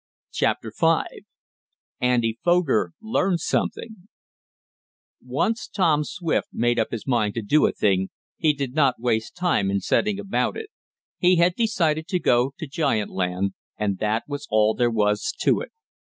CHAPTER V ANDY FOGER LEARNS SOMETHING Once Tom Swift made up his mind to do a thing, he did not waste time in setting about it. He had decided to go to giant land, and that was all there was to it.